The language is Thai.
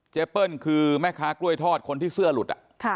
เปิ้ลคือแม่ค้ากล้วยทอดคนที่เสื้อหลุด